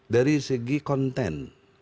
dari segi konten